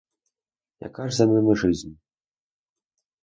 Яка ж за ним жизнь?